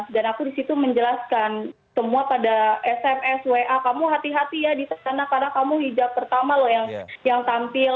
dan aku disitu menjelaskan semua pada sms wa kamu hati hati ya di sana karena kamu hijab pertama loh yang tampil